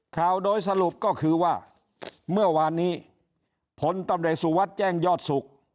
ข่าวโดยสรุปก็คือว่าเมื่อวานนี้พตรแจ้งยอดสุข